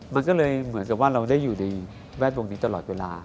มันก็เลยเหมือนกับว่าเราได้อยู่ในแวดวงนี้ตลอดเวลา